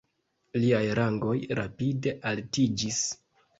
Liaj rangoj rapide altiĝis.